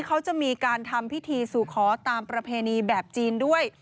เขาจะมีการทำพิธีสู่ขอตามประเพณีแบบจีนด้วย